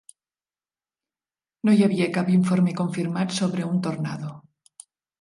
No hi havia cap informe confirmat sobre un tornado.